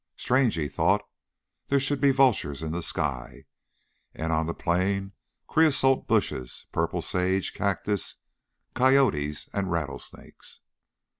Strange, he thought, there should be vultures in the sky. And on the plain creosote bushes, purple sage, cactus ... coyotes and rattlesnakes.